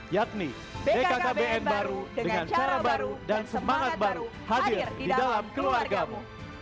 yakni bkkbn baru dengan cara baru dan semangat baru hadir di dalam keluargamu